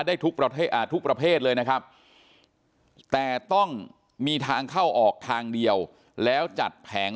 ได้ทุกประเภททุกประเภทเลยนะครับแต่ต้องมีทางเข้าออกทางเดียวแล้วจัดแผง